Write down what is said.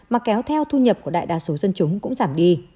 mà kéo theo thu nhập của đại đa số dân chúng cũng giảm đi